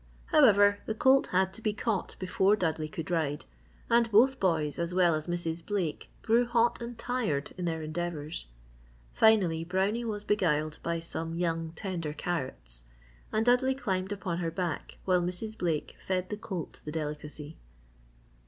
However, the colt had to be caught before Dudley could ride, and both boys as well as Mrs. Blake grew hot and tired in their endeavours. Finally, Brownie was beguiled by some young tender carrots, and Dudley climbed upon her back while Mrs. Blake fed the colt the delicacy.